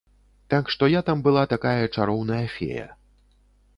Так што я там была такая чароўная фея.